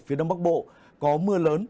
phía đông bắc bộ có mưa lớn